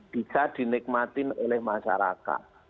bisa dinikmatin oleh masyarakat